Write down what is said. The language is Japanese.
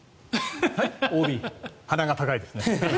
鼻が高いですね。